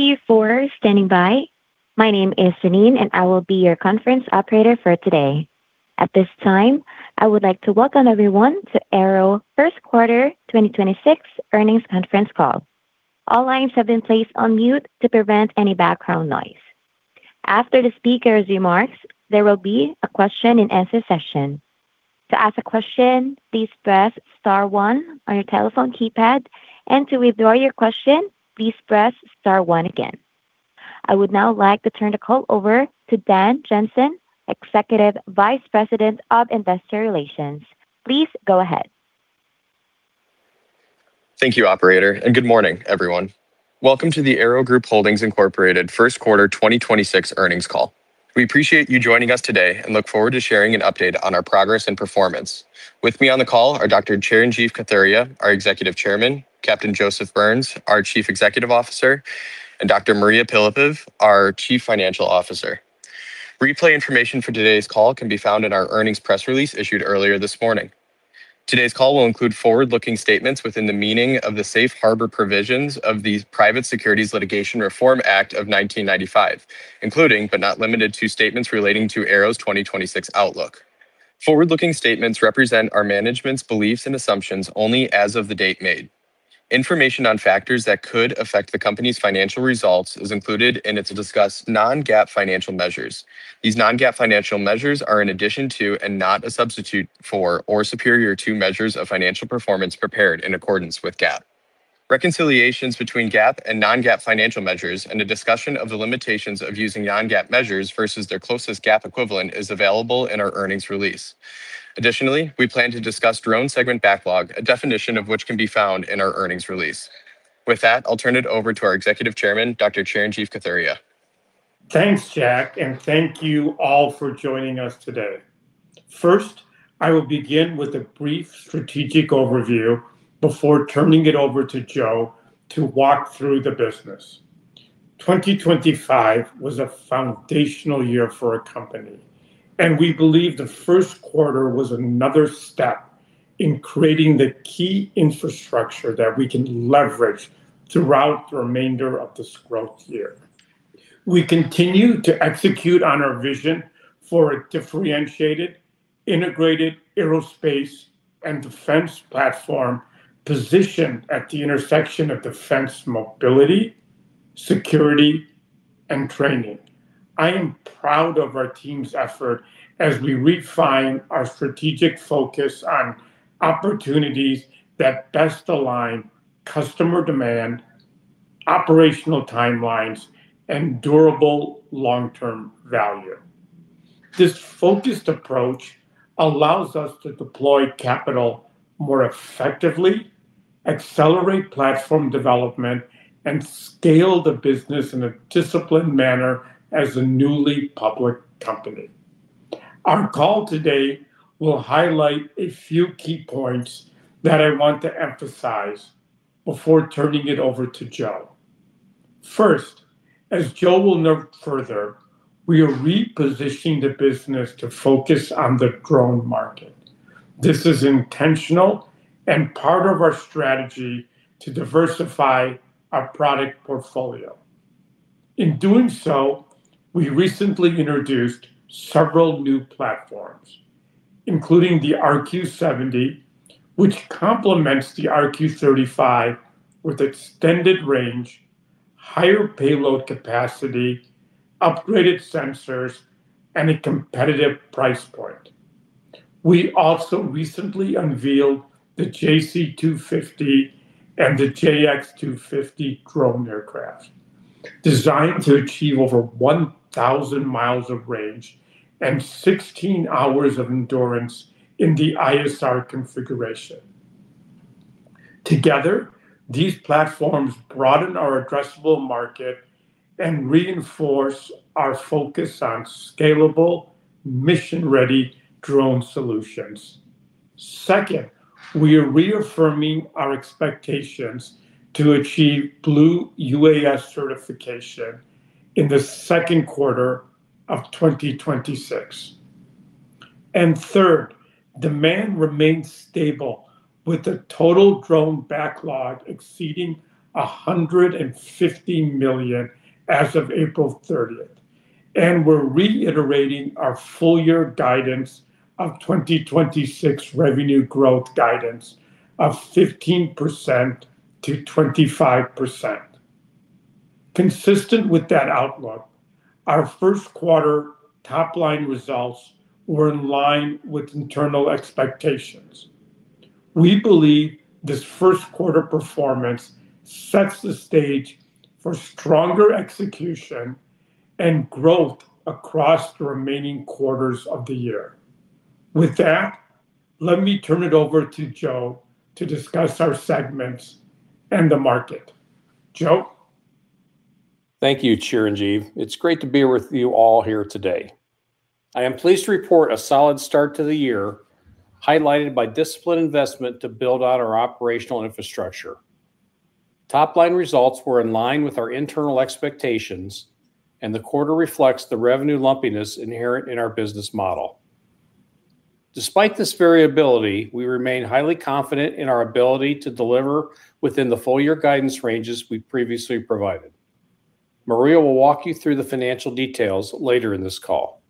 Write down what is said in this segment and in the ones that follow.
Thank you for standing by. My name is Janine, and I will be your conference operator for today. At this time, I would like to welcome everyone to AIRO first quarter 2026 earnings conference call. All lines have been placed on mute to prevent any background noise. After the speaker's remarks, there will be a question and answer session. To ask a question, please press star one on your telephone keypad, and to withdraw your question, please press star one again. I would now like to turn the call over to Dan Johnson, Executive Vice President of Investor Relations. Please go ahead. Thank you, operator, and good morning, everyone. Welcome to the AIRO Group Holdings, Incorporated first quarter 2026 earnings call. We appreciate you joining us today and look forward to sharing an update on our progress and performance. With me on the call are Dr. Chirinjeev Kathuria, our Executive Chairman, Captain Joseph Burns, our Chief Executive Officer, and Dr. Mariya Pylypiv, our Chief Financial Officer. Replay information for today's call can be found in our earnings press release issued earlier this morning. Today's call will include forward-looking statements within the meaning of the Safe Harbor Provisions of the Private Securities Litigation Reform Act of 1995, including, but not limited to, statements relating to AIRO's 2026 outlook. Forward-looking statements represent our management's beliefs and assumptions only as of the date made. Information on factors that could affect the company's financial results is included, and it's discussed non-GAAP financial measures. These non-GAAP financial measures are in addition to and not a substitute for or superior to measures of financial performance prepared in accordance with GAAP. Reconciliations between GAAP and non-GAAP financial measures and a discussion of the limitations of using non-GAAP measures versus their closest GAAP equivalent is available in our earnings release. Additionally, we plan to discuss drone segment backlog, a definition of which can be found in our earnings release. With that, I'll turn it over to our Executive Chairman, Dr. Chirinjeev Kathuria. Thanks, Jack. Thank you all for joining us today. First, I will begin with a brief strategic overview before turning it over to Joe to walk through the business. 2025 was a foundational year for our company, and we believe the first quarter was another step in creating the key infrastructure that we can leverage throughout the remainder of this growth year. We continue to execute on our vision for a differentiated, integrated aerospace and defense platform positioned at the intersection of defense mobility, security, and training. I am proud of our team's effort as we refine our strategic focus on opportunities that best align customer demand, operational timelines, and durable long-term value. This focused approach allows us to deploy capital more effectively, accelerate platform development, and scale the business in a disciplined manner as a newly public company. Our call today will highlight a few key points that I want to emphasize before turning it over to Joe. First, as Joe will note further, we are repositioning the business to focus on the drone market. This is intentional and part of our strategy to diversify our product portfolio. In doing so, we recently introduced several new platforms, including the RQ-70, which complements the RQ-35 with extended range, higher payload capacity, upgraded sensors, and a competitive price point. We also recently unveiled the JC-250 and the JX-250 drone aircraft, designed to achieve over 1,000 mi of range and 16 hours of endurance in the ISR configuration. Together, these platforms broaden our addressable market and reinforce our focus on scalable, mission-ready drone solutions. Second, we are reaffirming our expectations to achieve Blue UAS certification in the second quarter of 2026. Third, demand remains stable with the total drone backlog exceeding $150 million as of April 30th, and we're reiterating our full year guidance of 2026 revenue growth guidance of 15%-25%. Consistent with that outlook, our first quarter top-line results were in line with internal expectations. We believe this first quarter performance sets the stage for stronger execution and growth across the remaining quarters of the year. With that, let me turn it over to Joe to discuss our segments and the market. Joe? Thank you, Chirinjeev. It's great to be with you all here today. I am pleased to report a solid start to the year, highlighted by disciplined investment to build out our operational infrastructure. Top-line results were in line with our internal expectations, and the quarter reflects the revenue lumpiness inherent in our business model. Despite this variability, we remain highly confident in our ability to deliver within the full-year guidance ranges we previously provided. Mariya will walk you through the financial details later in this call.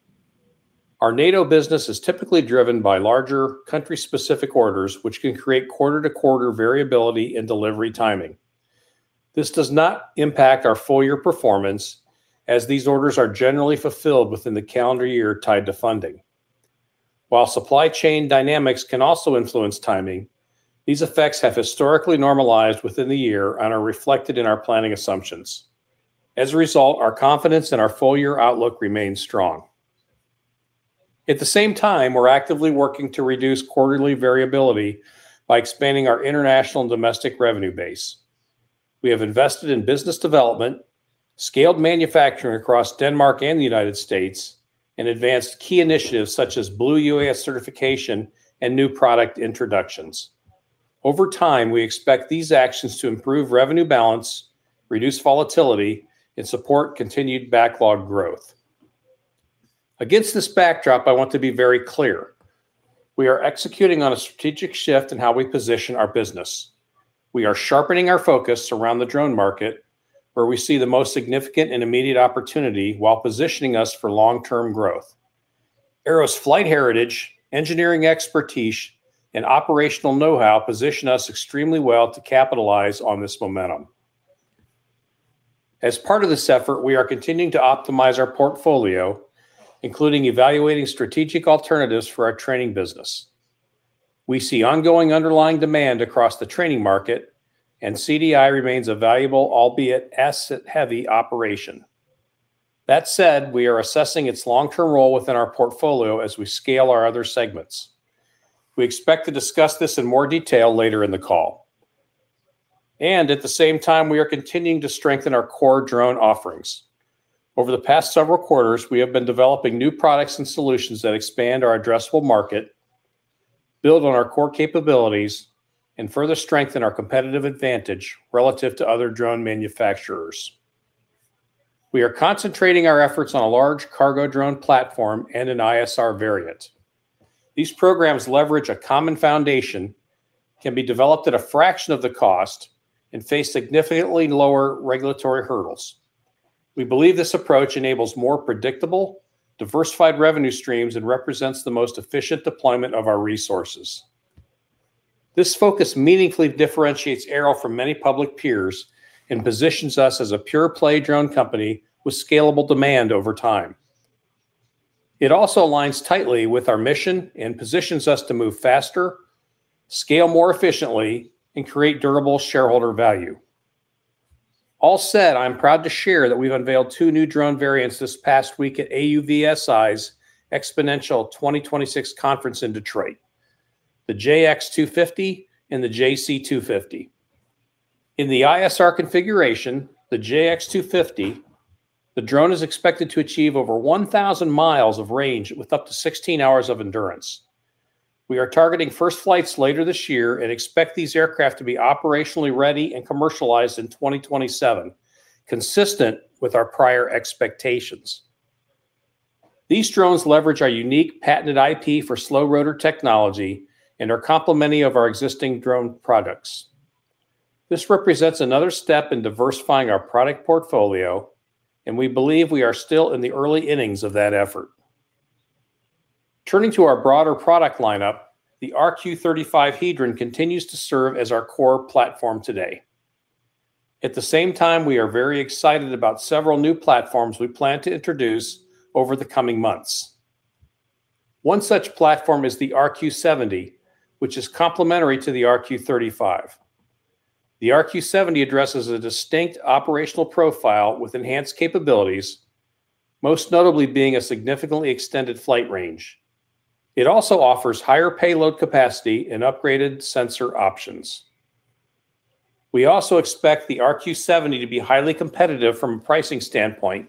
Our NATO business is typically driven by larger country-specific orders, which can create quarter-to-quarter variability in delivery timing. This does not impact our full-year performance, as these orders are generally fulfilled within the calendar year tied to funding. While supply chain dynamics can also influence timing, these effects have historically normalized within the year and are reflected in our planning assumptions. As a result, our confidence in our full-year outlook remains strong. At the same time, we're actively working to reduce quarterly variability by expanding our international and domestic revenue base. We have invested in business development, scaled manufacturing across Denmark and the United States, and advanced key initiatives such as Blue UAS certification and new product introductions. Over time, we expect these actions to improve revenue balance, reduce volatility, and support continued backlog growth. Against this backdrop, I want to be very clear, we are executing on a strategic shift in how we position our business. We are sharpening our focus around the drone market, where we see the most significant and immediate opportunity, while positioning us for long-term growth. AIRO's flight heritage, engineering expertise, and operational know-how position us extremely well to capitalize on this momentum. As part of this effort, we are continuing to optimize our portfolio, including evaluating strategic alternatives for our Training business. We see ongoing underlying demand across the training market, and CDI remains a valuable, albeit asset-heavy operation. That said, we are assessing its long-term role within our portfolio as we scale our other segments. We expect to discuss this in more detail later in the call. At the same time, we are continuing to strengthen our core Drone offerings. Over the past several quarters, we have been developing new products and solutions that expand our addressable market, build on our core capabilities, and further strengthen our competitive advantage relative to other drone manufacturers. We are concentrating our efforts on a large cargo drone platform and an ISR variant. These programs leverage a common foundation, can be developed at a fraction of the cost, and face significantly lower regulatory hurdles. We believe this approach enables more predictable, diversified revenue streams, and represents the most efficient deployment of our resources. This focus meaningfully differentiates AIRO from many public peers and positions us as a pure-play drone company with scalable demand over time. It also aligns tightly with our mission and positions us to move faster, scale more efficiently, and create durable shareholder value. All said, I am proud to share that we've unveiled two new drone variants this past week at AUVSI's XPONENTIAL 2026 conference in Detroit, the JX-250 and the JC-250. In the ISR configuration, the JX-250, the drone is expected to achieve over 1,000 mi of range with up to 16 hours of endurance. We are targeting first flights later this year and expect these aircraft to be operationally ready and commercialized in 2027, consistent with our prior expectations. These drones leverage our unique patented IP for slowed rotor technology and are complementary of our existing drone products. This represents another step in diversifying our product portfolio, and we believe we are still in the early innings of that effort. Turning to our broader product lineup, the RQ-35 Heidrun continues to serve as our core platform today. At the same time, we are very excited about several new platforms we plan to introduce over the coming months. One such platform is the RQ-70, which is complementary to the RQ-35. The RQ-70 addresses a distinct operational profile with enhanced capabilities, most notably being a significantly extended flight range. It also offers higher payload capacity and upgraded sensor options. We also expect the RQ-70 to be highly competitive from a pricing standpoint,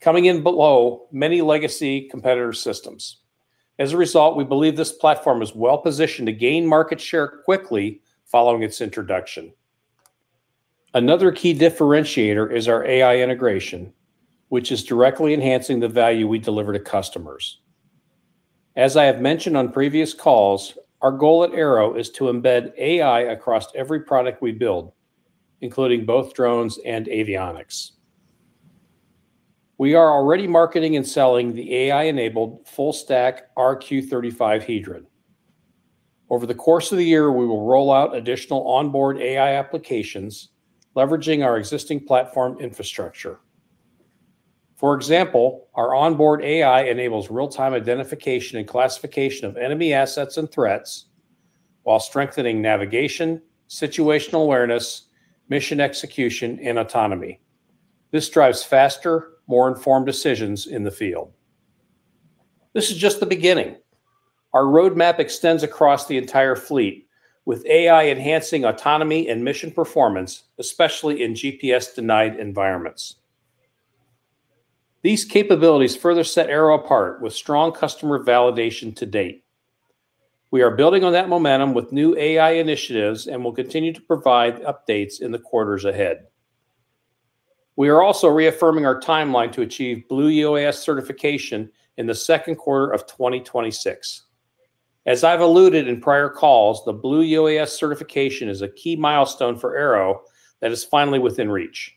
coming in below many legacy competitor systems. As a result, we believe this platform is well-positioned to gain market share quickly following its introduction. Another key differentiator is our AI integration, which is directly enhancing the value we deliver to customers. As I have mentioned on previous calls, our goal at AIRO is to embed AI across every product we build, including both drones and avionics. We are already marketing and selling the AI-enabled full-stack RQ-35 Heidrun. Over the course of the year, we will roll out additional onboard AI applications leveraging our existing platform infrastructure. For example, our onboard AI enables real-time identification and classification of enemy assets and threats while strengthening navigation, situational awareness, mission execution, and autonomy. This drives faster, more informed decisions in the field. This is just the beginning. Our roadmap extends across the entire fleet, with AI enhancing autonomy and mission performance, especially in GPS-denied environments. These capabilities further set AIRO apart with strong customer validation to date. We are building on that momentum with new AI initiatives and will continue to provide updates in the quarters ahead. We are also reaffirming our timeline to achieve Blue UAS certification in the second quarter of 2026. As I've alluded in prior calls, the Blue UAS certification is a key milestone for AIRO that is finally within reach.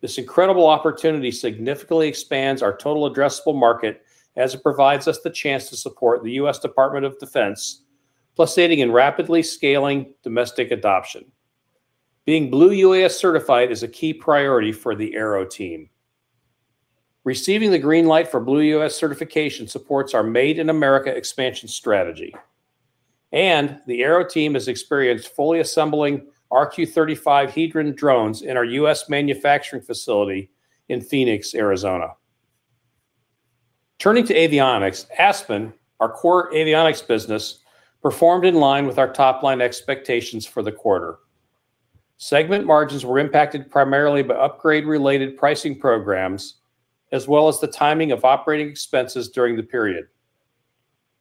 This incredible opportunity significantly expands our total addressable market as it provides us the chance to support the U.S. Department of Defense, plus aiding in rapidly scaling domestic adoption. Being Blue UAS certified is a key priority for the AIRO team. Receiving the green light for Blue UAS certification supports our Made in America expansion strategy, and the AIRO team has experienced fully assembling RQ-35 Heidrun drones in our U.S. manufacturing facility in Phoenix, Arizona. Turning to avionics, Aspen, our core Avionics business, performed in line with our top-line expectations for the quarter. Segment margins were impacted primarily by upgrade-related pricing programs, as well as the timing of operating expenses during the period.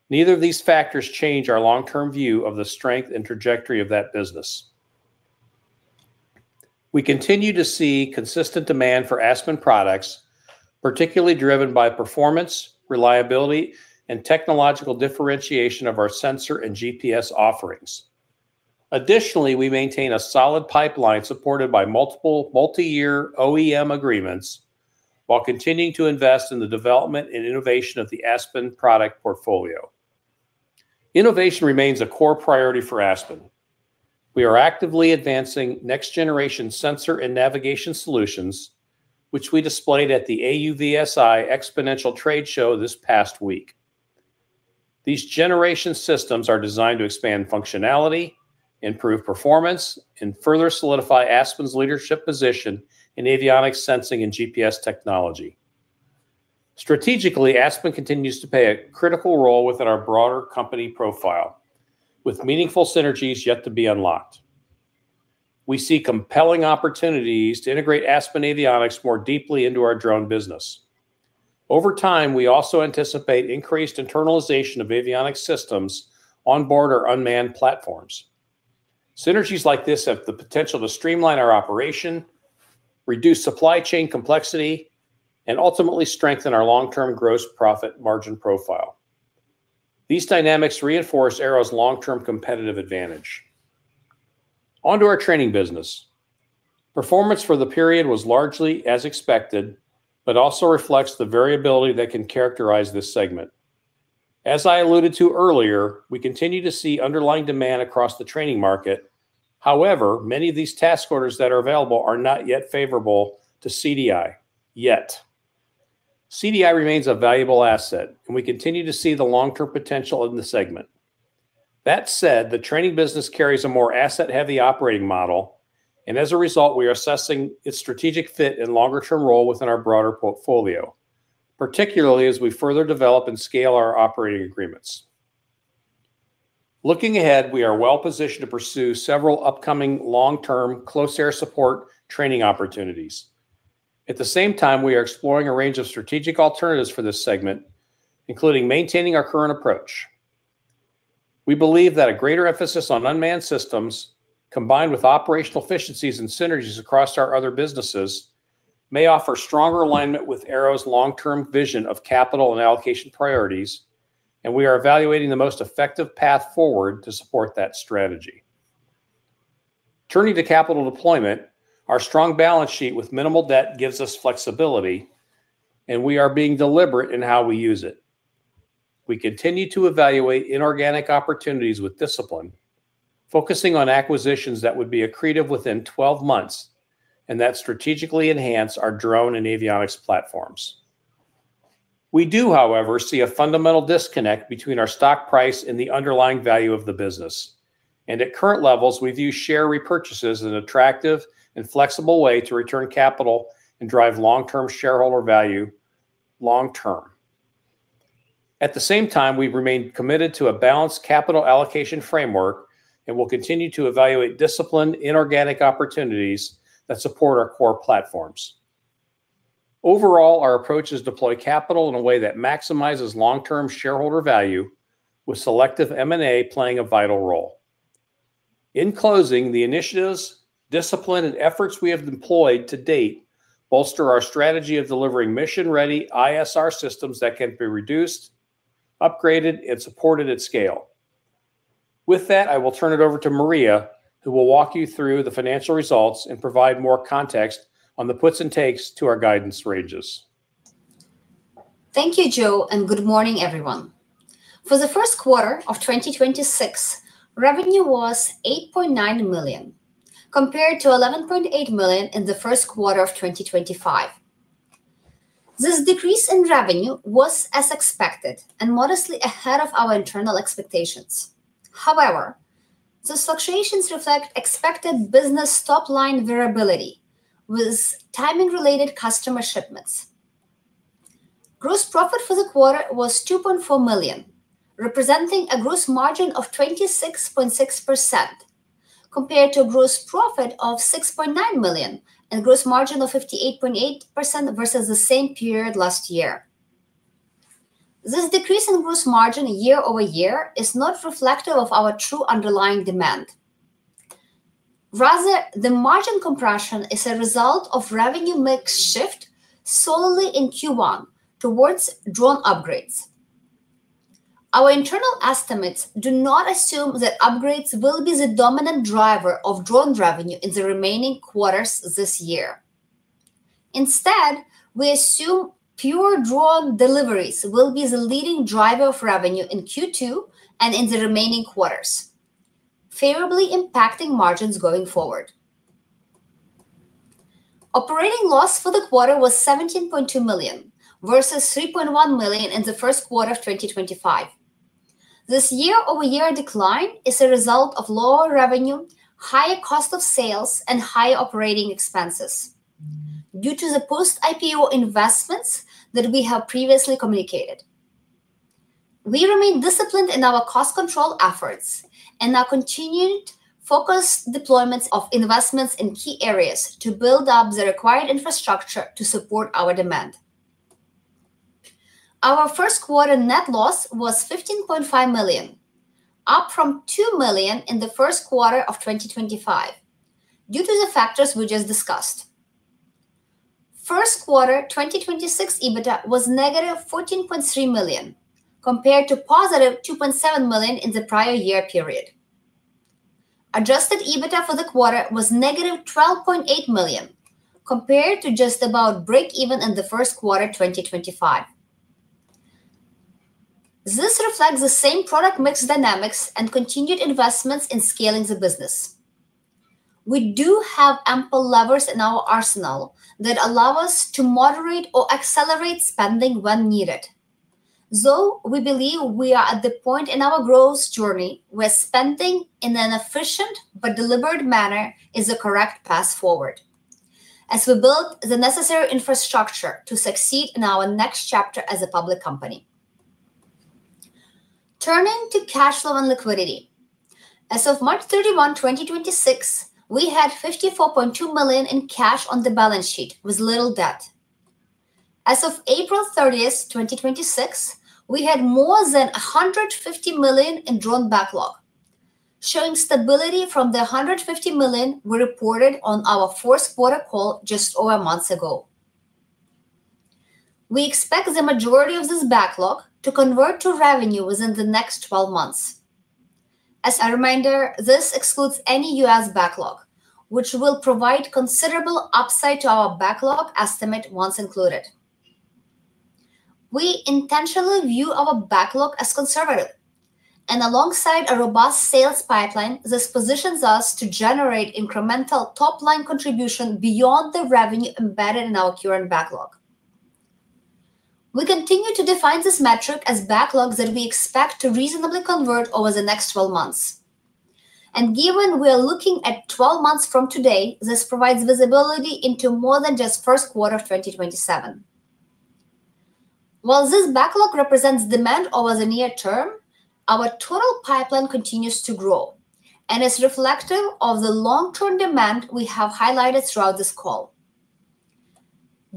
Neither of these factors change our long-term view of the strength and trajectory of that business. We continue to see consistent demand for Aspen products, particularly driven by performance, reliability, and technological differentiation of our sensor and GPS offerings. Additionally, we maintain a solid pipeline supported by multiple multi-year OEM agreements while continuing to invest in the development and innovation of the Aspen product portfolio. Innovation remains a core priority for Aspen. We are actively advancing next-generation sensor and navigation solutions, which we displayed at the AUVSI XPONENTIAL Trade Show this past week. These generation systems are designed to expand functionality, improve performance, and further solidify Aspen's leadership position in avionics sensing and GPS technology. Strategically, Aspen continues to play a critical role within our broader company profile, with meaningful synergies yet to be unlocked. We see compelling opportunities to integrate Aspen Avionics more deeply into our Drone business. Over time, we also anticipate increased internalization of avionics systems on board our unmanned platforms. Synergies like this have the potential to streamline our operation, reduce supply chain complexity, and ultimately strengthen our long-term gross profit margin profile. These dynamics reinforce AIRO's long-term competitive advantage. On to our Training business. Performance for the period was largely as expected but also reflects the variability that can characterize this segment. As I alluded to earlier, we continue to see underlying demand across the training market. However, many of these task orders that are available are not yet favorable to CDI, yet. CDI remains a valuable asset, and we continue to see the long-term potential in the segment. That said, the Training business carries a more asset-heavy operating model, and as a result, we are assessing its strategic fit and longer-term role within our broader portfolio, particularly as we further develop and scale our operating agreements. Looking ahead, we are well-positioned to pursue several upcoming long-term close air support training opportunities. At the same time, we are exploring a range of strategic alternatives for this segment, including maintaining our current approach. We believe that a greater emphasis on unmanned systems, combined with operational efficiencies and synergies across our other businesses, may offer stronger alignment with AIRO's long-term vision of capital and allocation priorities, and we are evaluating the most effective path forward to support that strategy. Turning to capital deployment, our strong balance sheet with minimal debt gives us flexibility, and we are being deliberate in how we use it. We continue to evaluate inorganic opportunities with discipline, focusing on acquisitions that would be accretive within 12 months and that strategically enhance our drone and avionics platforms. We do, however, see a fundamental disconnect between our stock price and the underlying value of the business, and at current levels, we view share repurchases as an attractive and flexible way to return capital and drive long-term shareholder value long term. At the same time, we remain committed to a balanced capital allocation framework and will continue to evaluate disciplined inorganic opportunities that support our core platforms. Overall, our approach is deploy capital in a way that maximizes long-term shareholder value with selective M&A playing a vital role. In closing, the initiatives, discipline, and efforts we have employed to date bolster our strategy of delivering mission-ready ISR systems that can be reduced, upgraded, and supported at scale. With that, I will turn it over to Mariya, who will walk you through the financial results and provide more context on the puts and takes to our guidance ranges. Thank you, Joe, and good morning, everyone. For the first quarter of 2026, revenue was $8.9 million, compared to $11.8 million in the first quarter of 2025. This decrease in revenue was as expected and modestly ahead of our internal expectations. These fluctuations reflect expected business top-line variability with timing-related customer shipments. Gross profit for the quarter was $2.4 million, representing a gross margin of 26.6%, compared to gross profit of $6.9 million and gross margin of 58.8% versus the same period last year. This decrease in gross margin year-over-year is not reflective of our true underlying demand. Rather, the margin compression is a result of revenue mix shift solely in Q1 towards drone upgrades. Our internal estimates do not assume that upgrades will be the dominant driver of Drone revenue in the remaining quarters this year. Instead, we assume pure drone deliveries will be the leading driver of revenue in Q2 and in the remaining quarters, favorably impacting margins going forward. Operating loss for the quarter was $17.2 million, versus $3.1 million in the first quarter of 2025. This year-over-year decline is a result of lower revenue, higher cost of sales, and higher operating expenses due to the post-IPO investments that we have previously communicated. We remain disciplined in our cost control efforts and our continued focused deployments of investments in key areas to build up the required infrastructure to support our demand. Our first quarter net loss was $15.5 million, up from $2 million in the first quarter of 2025 due to the factors we just discussed. First quarter 2026 EBITDA was $-14.3 million, compared to $+2.7 million in the prior year period. Adjusted EBITDA for the quarter was $-12.8 million, compared to just about break even in the first quarter 2025. This reflects the same product mix dynamics and continued investments in scaling the business. We do have ample levers in our arsenal that allow us to moderate or accelerate spending when needed, though we believe we are at the point in our growth journey where spending in an efficient but deliberate manner is the correct path forward as we build the necessary infrastructure to succeed in our next chapter as a public company. Turning to cash flow and liquidity. As of March 31, 2026, we had $54.2 million in cash on the balance sheet with little debt. As of April 30, 2026, we had more than $150 million in drone backlog, showing stability from the $150 million we reported on our fourth quarter call just over a month ago. We expect the majority of this backlog to convert to revenue within the next 12 months. As a reminder, this excludes any U.S. backlog, which will provide considerable upside to our backlog estimate once included. We intentionally view our backlog as conservative, and alongside a robust sales pipeline, this positions us to generate incremental top-line contribution beyond the revenue embedded in our current backlog. We continue to define this metric as backlogs that we expect to reasonably convert over the next 12 months. Given we are looking at 12 months from today, this provides visibility into more than just first quarter of 2027. While this backlog represents demand over the near term, our total pipeline continues to grow and is reflective of the long-term demand we have highlighted throughout this call.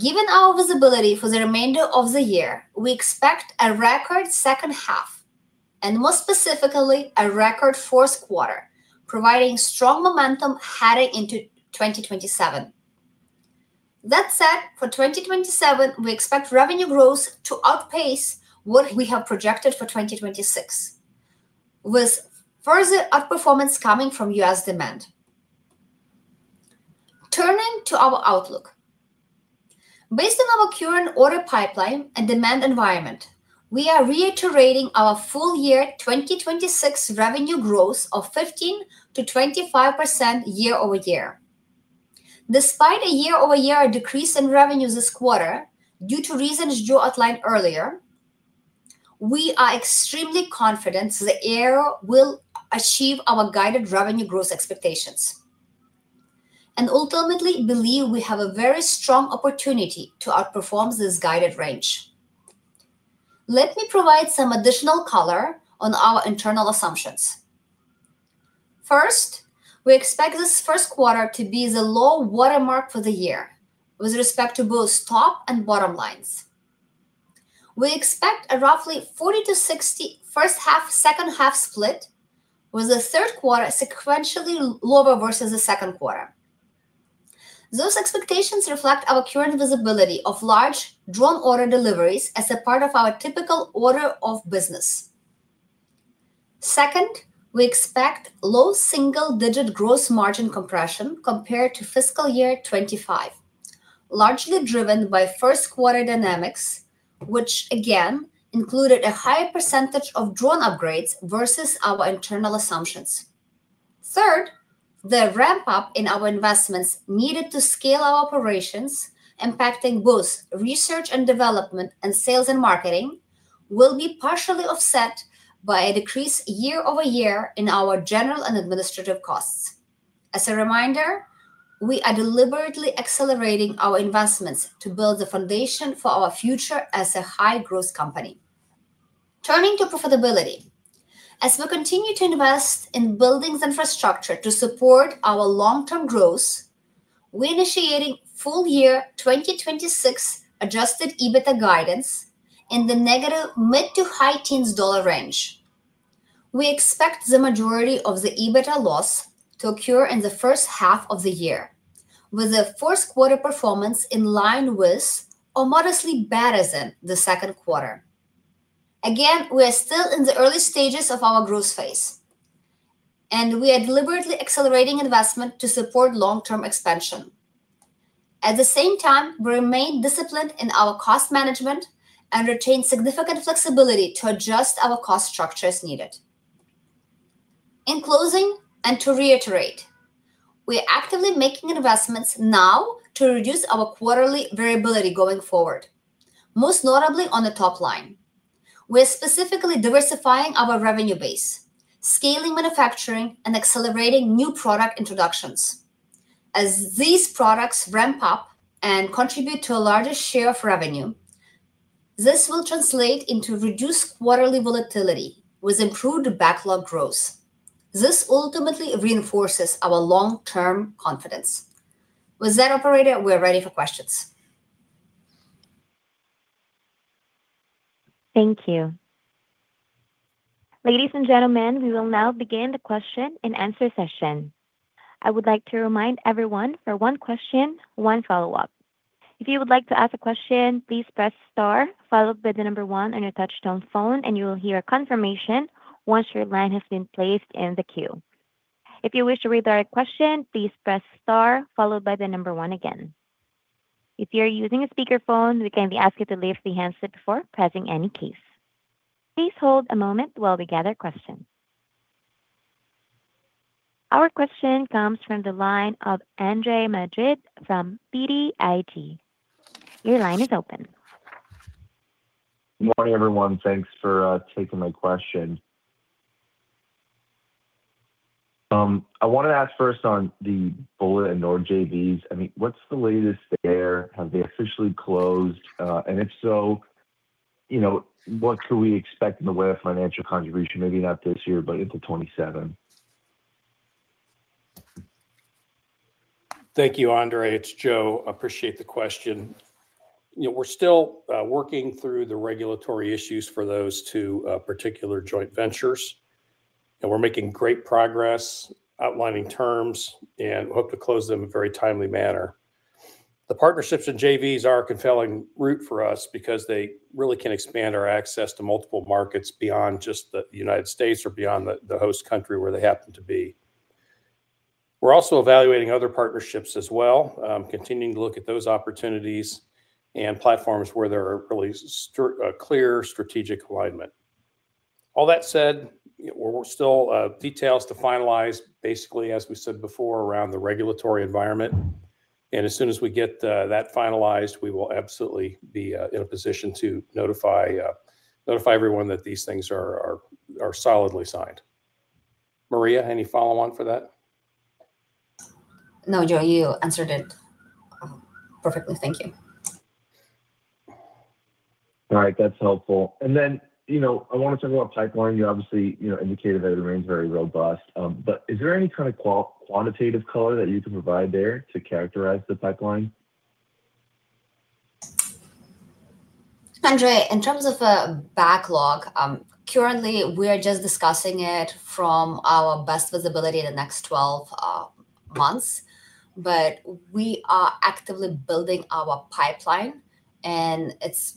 Given our visibility for the remainder of the year, we expect a record second half, and more specifically, a record fourth quarter, providing strong momentum heading into 2027. That said, for 2027, we expect revenue growth to outpace what we have projected for 2026, with further outperformance coming from U.S. demand. Turning to our outlook. Based on our current order pipeline and demand environment, we are reiterating our full year 2026 revenue growth of 15%-25% year-over-year. Despite a year-over-year decrease in revenue this quarter due to reasons Joe outlined earlier, we are extremely confident that AIRO will achieve our guided revenue growth expectations and ultimately believe we have a very strong opportunity to outperform this guided range. Let me provide some additional color on our internal assumptions. First, we expect this first quarter to be the low water mark for the year with respect to both top and bottom lines. We expect a roughly 40%-60% first half, second half split, with the third quarter sequentially lower versus the second quarter. Those expectations reflect our current visibility of large drone order deliveries as a part of our typical order of business. Second, we expect low single-digit gross margin compression compared to fiscal year 2025, largely driven by first quarter dynamics, which again included a higher percentage of drone upgrades versus our internal assumptions. Third, the ramp-up in our investments needed to scale our operations, impacting both R&D and sales and marketing, will be partially offset by a decrease year-over-year in our G&A costs. As a reminder, we are deliberately accelerating our investments to build the foundation for our future as a high-growth company. Turning to profitability. As we continue to invest in buildings infrastructure to support our long-term growth, we're initiating full year 2026 adjusted EBITDA guidance in the negative mid to high teens dollar range. We expect the majority of the EBITDA loss to occur in the first half of the year, with the first quarter performance in line with or modestly better than the second quarter. We are still in the early stages of our growth phase, and we are deliberately accelerating investment to support long-term expansion. At the same time, we remain disciplined in our cost management and retain significant flexibility to adjust our cost structure as needed. In closing, and to reiterate, we are actively making investments now to reduce our quarterly variability going forward, most notably on the top line. We're specifically diversifying our revenue base, scaling manufacturing and accelerating new product introductions. As these products ramp up and contribute to a larger share of revenue, this will translate into reduced quarterly volatility with improved backlog growth. This ultimately reinforces our long-term confidence. With that, operator, we're ready for questions. Thank you. Ladies and gentlemen, we will now begin the question and answer session. I would like to remind everyone for one question, one follow-up. If you would like to ask a question please press star followed by the number one on your touch stone phone and you'll hear a confirmation once your line has been placed in the queue. If you wish to withdraw your question please press star followed by the number one again. If you're using a speakerphone we kindly ask you to raise the handset before pressing any keys. Please hold a moment while we gather questions. Our question comes from the line of Andre Madrid from BTIG. Your line is open. Good morning, everyone. Thanks for taking my question. I wanna ask first on the Bullet and Nord JVs. I mean, what's the latest there? Have they officially closed? And if so, you know, what could we expect in the way of financial contribution, maybe not this year, but into 2027? Thank you, Andre. It's Joe. Appreciate the question. You know, we're still working through the regulatory issues for those two particular joint ventures, we're making great progress outlining terms, we hope to close them in a very timely manner. The partnerships and JVs are a compelling route for us because they really can expand our access to multiple markets beyond just the U.S. or beyond the host country where they happen to be. We're also evaluating other partnerships as well, continuing to look at those opportunities and platforms where there are really clear strategic alignment. All that said, you know, we're still details to finalize, basically, as we said before, around the regulatory environment. As soon as we get that finalized, we will absolutely be in a position to notify everyone that these things are solidly signed. Mariya, any follow on for that? No, Joe, you answered it perfectly. Thank you. All right. That's helpful. You know, I wanna talk about pipeline. You obviously, you know, indicated that it remains very robust. Is there any kind of quantitative color that you can provide there to characterize the pipeline? Andre, in terms of a backlog, currently, we are just discussing it from our best visibility in the next 12 months. We are actively building our pipeline, and it's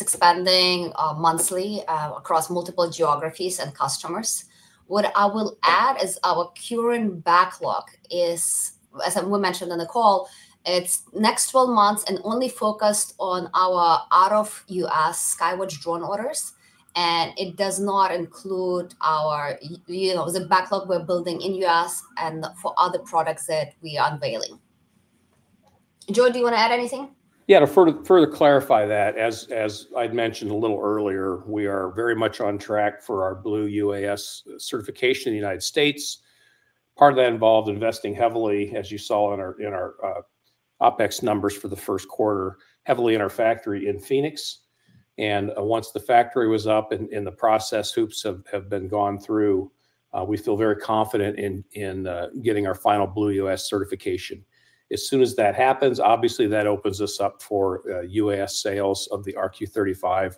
expanding monthly across multiple geographies and customers. What I will add is our current backlog is, as we mentioned on the call, it's next 12 months and only focused on our out of U.S. Sky-Watch drone orders, and it does not include our, you know, the backlog we're building in U.S. and for other products that we are unveiling. Joe, do you wanna add anything? Yeah. To further clarify that, as I'd mentioned a little earlier, we are very much on track for our Blue UAS certification in the United States. Part of that involved investing heavily, as you saw in our OpEx numbers for the first quarter, heavily in our factory in Phoenix. Once the factory was up and the process hoops have been gone through, we feel very confident in getting our final Blue UAS certification. As soon as that happens, obviously that opens us up for UAS sales of the RQ-35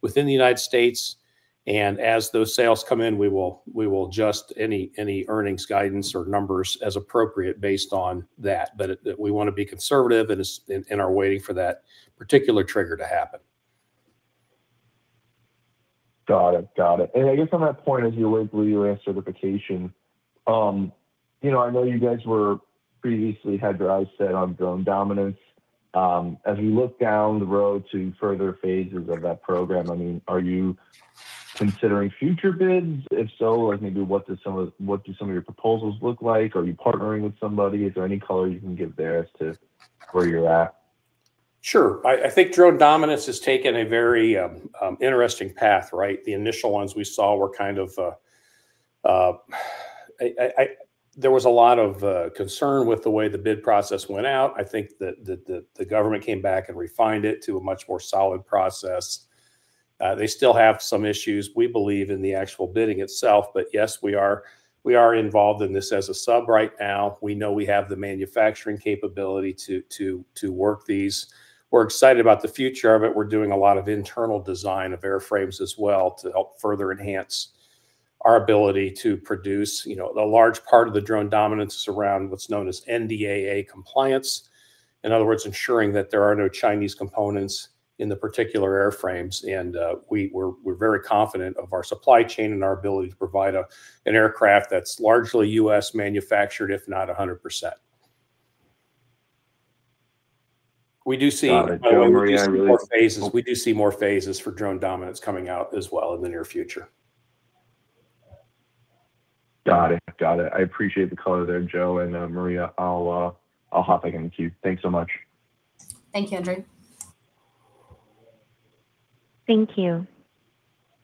within the United States. As those sales come in, we will adjust any earnings guidance or numbers as appropriate based on that. We wanna be conservative and are waiting for that particular trigger to happen. Got it. Got it. I guess on that point, as you await Blue UAS certification, you know, I know you guys were previously had your eyes set on Drone Dominance. As we look down the road to further phases of that program, I mean, are you considering future bids? If so, like, maybe what do some of your proposals look like? Are you partnering with somebody? Is there any color you can give there as to where you're at? Sure. I think Drone Dominance has taken a very interesting path, right. The initial ones we saw were kind of, there was a lot of concern with the way the bid process went out. I think that the government came back and refined it to a much more solid process. They still have some issues, we believe, in the actual bidding itself. Yes, we are involved in this as a sub right now. We know we have the manufacturing capability to work these. We're excited about the future of it. We're doing a lot of internal design of airframes as well to help further enhance our ability to produce, you know, the large part of the Drone Dominance around what's known as NDAA compliance. In other words, ensuring that there are no Chinese components in the particular airframes. We're very confident of our supply chain and our ability to provide a, an aircraft that's largely U.S. manufactured, if not 100%. Got it. Joe, Mariya, We do see more phases for Drone Dominance coming out as well in the near future. Got it. I appreciate the color there, Joe and Mariya. I'll hop back in the queue. Thanks so much. Thank you, Andre. Thank you.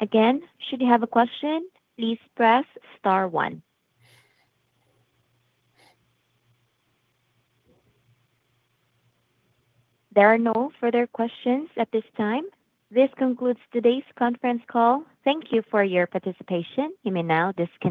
Again, should you have a question, please press star one. There are no further questions at this time. This concludes today's conference call. Thank you for your participation. You may now disconnect.